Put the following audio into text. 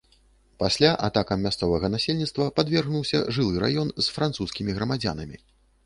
Пасля атакам мясцовага насельніцтва падвергнуўся жылы раён з французскімі грамадзянамі.